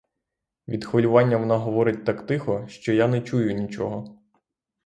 Від хвилювання вона говорить так тихо, що я не чую нічого.